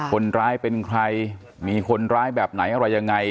คนร้ายเป็นใครมีคนร้ายแบบไหนอะไรยังไง